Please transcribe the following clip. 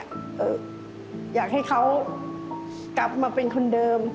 อยากให้เขากลับมาเป็นคนเดิม